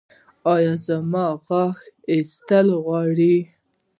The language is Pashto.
ایا زما غاښ ایستل غواړي؟